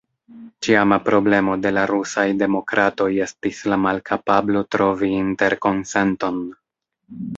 Ĉiama problemo de la rusaj demokratoj estis la malkapablo trovi interkonsenton.